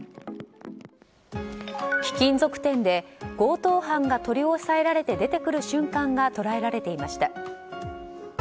貴金属店で強盗犯が取り押さえられて出てくる瞬間が捉えられていました。